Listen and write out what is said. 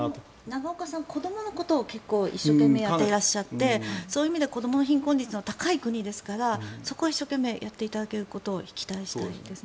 永岡さんは子どものことを結構一生懸命やっていらっしゃってそういう意味で子どもの貧困率の高い国ですからそこは一生懸命やっていただけることを期待したいです。